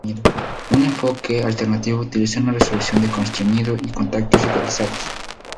Un enfoque alternativo utiliza una resolución de constreñido y contactos idealizados.